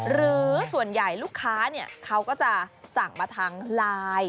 หรือส่วนใหญ่ลูกค้าเขาก็จะสั่งมาทางไลน์